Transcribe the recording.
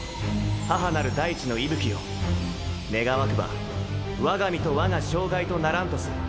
母なる大地の息吹よ願わくば我が身と我が障害とならんとす